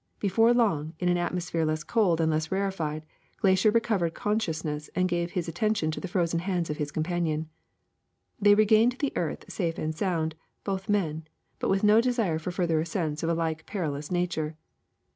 Before long, in an atmosphere less cold and less rarefied, Glaisher recovered consciousness and gave his attention to the frozen hands of his companion. ''They regained the earth safe and sound, both men, but with no desire for further ascents of a like perilous nature.